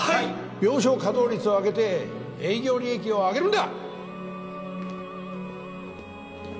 病床稼働率を上げて営業利益を上げるんだ！